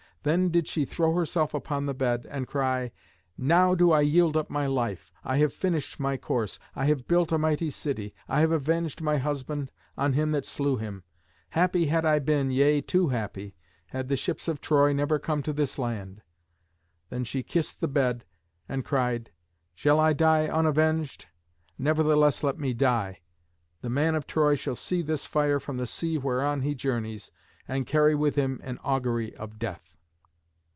Then did she throw herself upon the bed, and cry, "Now do I yield up my life. I have finished my course. I have built a mighty city. I have avenged my husband on him that slew him. Happy had I been, yea too happy! had the ships of Troy never come to this land." Then she kissed the bed and cried, "Shall I die unavenged? Nevertheless let me die. The man of Troy shall see this fire from the sea whereon he journeys, and carry with him an augury of death."